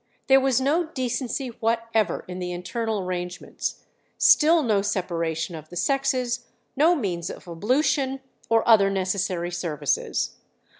There was no decency whatever in the internal arrangements; still no separation of the sexes, no means of ablution or other necessary services.